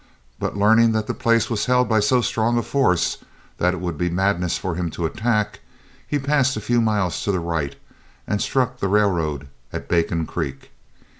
But learning that the place was held by so strong a force that it would be madness for him to attack it, he passed a few miles to the right, and struck the railroad at Bacon Creek.